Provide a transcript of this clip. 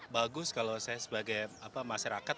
bagus kalau saya sebagai masyarakat